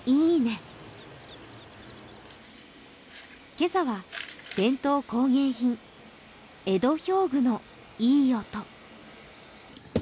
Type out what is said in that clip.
今朝は伝統工芸品、江戸表具のいい音。